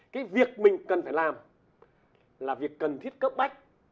cái việc mình cần phải làm là việc cần thiết cấp bách